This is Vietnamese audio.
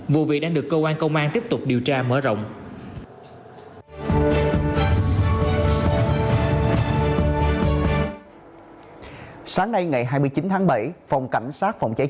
vụ việc đang được cơ quan công an tiếp tục điều tra mở rộng